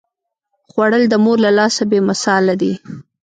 خوړل د مور له لاسه بې مثاله دي